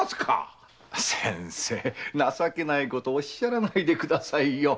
情けないことおっしゃらないでくださいよ。